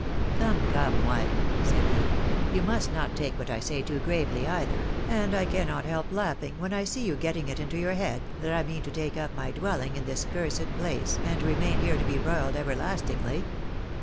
" Come, come, wife," said he, " you must not take what I say too gravely, either, and I cannot help laugliing when I see you getting it into your head that I mean to take up my dwelling in this cursed place and remain here to be broiled everlastingly.